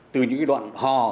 từ những cái đoạn hò